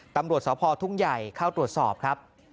ตำรวจสพทุ่งใหญ่เข้าตรวจสอบครับ